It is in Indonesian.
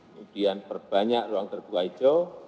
kemudian perbanyak ruang terbuka hijau